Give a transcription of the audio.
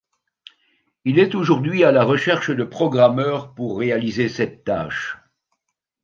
Il est aujourd'hui à la recherche de programmeurs pour réaliser cette tâche.